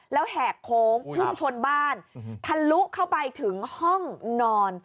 แล้วแหกโค้งพุ่งชนบ้านทะลุเข้าไปถึงห้องนอน